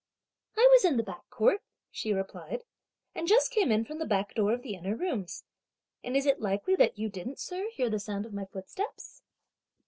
"I was in the back court," she replied, "and just came in from the back door of the inner rooms; and is it likely that you didn't, sir, hear the sound of my footsteps?"